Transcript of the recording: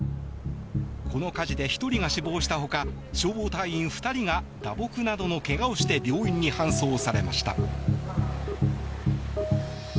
この火事で１人が死亡したほか消防隊員２人が打撲などの怪我をして病院に搬送されました。